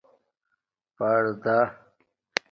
پردا